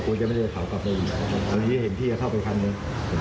ผมก็คงจะไม่ได้ขาวกลับไปอยู่ตอนนี้เห็นพี่เข้าไปข้างหนึ่ง